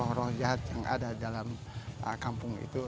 mengusir roh roh jahat yang ada dalam kampung itu